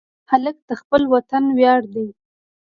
هلک د خپل وطن ویاړ دی.